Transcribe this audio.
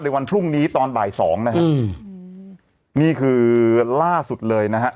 วันพรุ่งนี้ตอนบ่ายสองนะฮะอืมนี่คือล่าสุดเลยนะฮะ